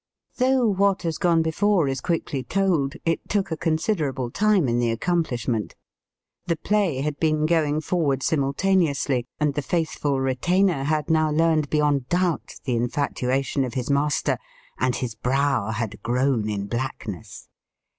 Though what has gone before is Digitized by VjOOQIC 16 EAST BY WEST. quickly told, it took a considerable time in the accomplishment. The play had been going, forward simultaneously, and the faithful re tainer had now learned beyond doubt the infatuation of his master, and his brow had grown in blackness.